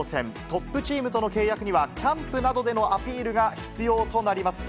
トップチームとの契約には、キャンプなどでのアピールが必要となります。